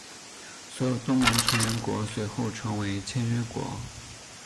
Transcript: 所有东盟成员国随后成为签约国。